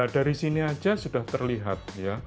dari sini aja sudah terlihat